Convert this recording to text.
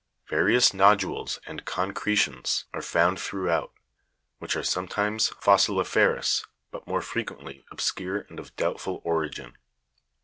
Various nodules and concretions are found throughout, which are sometimes fossili' ferous, but more frequently obscure and of doubtful origin.